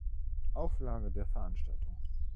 Auflage der Veranstaltung.